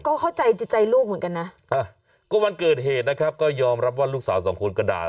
ก็เข้าใจจิตใจลูกเหมือนกันนะก็วันเกิดเหตุนะครับก็ยอมรับว่าลูกสาวสองคนก็ด่า